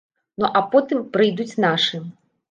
Ну а потым прыйдуць нашы.